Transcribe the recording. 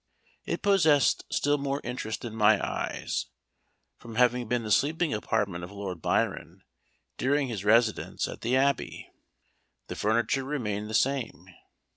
It possessed still more interest in my eyes, from having been the sleeping apartment of Lord Byron during his residence at the Abbey. The furniture remained the same.